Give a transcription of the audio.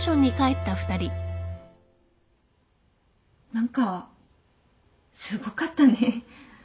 何かすごかったね。